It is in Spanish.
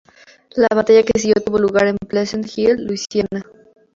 La batalla que siguió tuvo lugar en Pleasant Hill, Luisiana.